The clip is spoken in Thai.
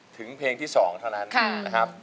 ถึงเพลงที่๒เท่านั้น